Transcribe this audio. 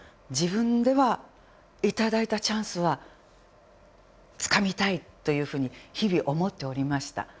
自分では頂いたチャンスはつかみたいというふうに日々思っておりました。